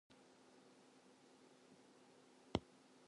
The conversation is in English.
A well was found nearby that was used until the British rule.